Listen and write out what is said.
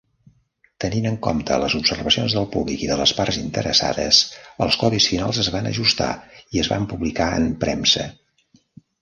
Tenint en compte les observacions del públic i de les parts interessades, els codis finals es van ajustar i es van publicar en premsa.